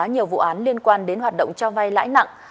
nhiều vụ án liên quan đến hoạt động cho vay lãi nặng